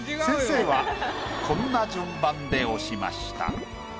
先生はこんな順番で押しました。